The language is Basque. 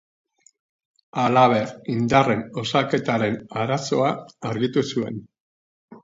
Halaber, indarren osaketaren arazoa argitu zuen.